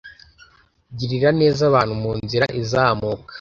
girira neza abantu munzira izamuka,